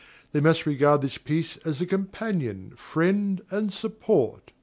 They must regard this piece as a companion, friend, and support.